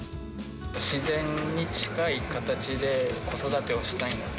自然に近い形で子育てをしたいので。